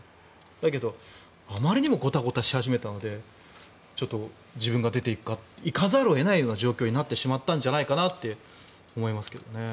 だけど、あまりにもごたごたし始めたのでちょっと自分が出ていかざるを得ないような状況になってしまったんじゃないかなと思いますけどね。